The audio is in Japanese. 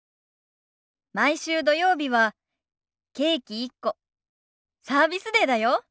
毎週土曜日はケーキ１個サービスデーだよ。